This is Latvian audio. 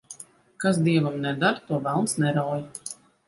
Kas dievam neder, to velns nerauj.